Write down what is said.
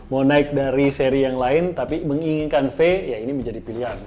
mau naik dari seri yang lain tapi menginginkan v ya ini menjadi pilihan